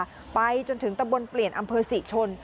มี๕ป้ายจนถึงตำบลเปลี่ยนอำเภอ๔ชน